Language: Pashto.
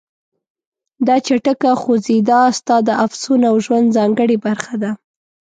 دا چټکه خوځېدا ستا د افسون او ژوند ځانګړې برخه ده.